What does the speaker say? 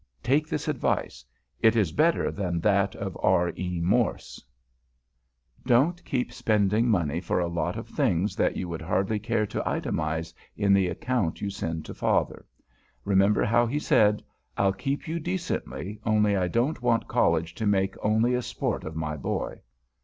Take this advice; it is better than that of R. E. Morse. [Sidenote: SPENDING MONEY] Don't keep spending money for a lot of things that you would hardly care to itemize in the account you send to Father. Remember how he said, "I'll keep you decently, only I don't want College to make only a sport of my boy."